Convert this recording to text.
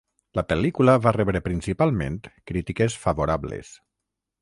La pel·lícula va rebre principalment crítiques favorables.